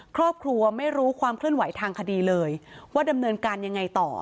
ครอบครัวไม่รู้ความเคลื่อนไหวทางคดีเลยว่าดำเนินการยังไงต่อ